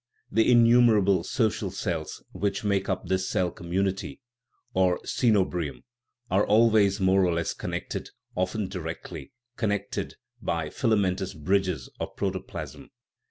The innumerable so cial cells, which make up this cell community or coeno bium, are always more or less connected, often directly connected by filamentous bridges of protoplasm.